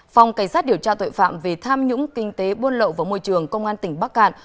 phòng cảnh sát điều tra tội phạm về tham nhũng kinh tế buôn lậu vào môi trường công an tỉnh bắc cạn